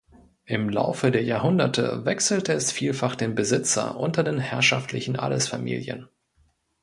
Im Laufe der Jahrhunderte wechselte es vielfach den Besitzer unter den herrschaftlichen Adelsfamilien.